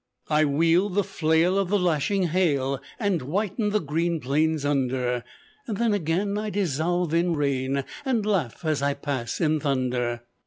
I wield the flail of the lashing hail, And whiten the green plains under. And then again I dissolve in rain, And laugh as I pass in thunder.